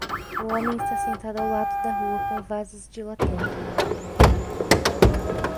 Um homem está sentado ao lado da rua com vasos de latão.